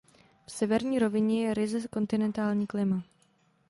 V severní rovině je ryze kontinentální klima.